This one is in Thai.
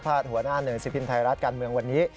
หัวหน้าหนึ่งสิบพิมพ์ไทยรัฐการเมืองวันนี้